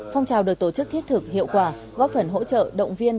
phong trào được tổ chức thiết thực hiệu quả góp phần hỗ trợ động viên